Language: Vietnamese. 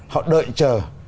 họ đợi chờ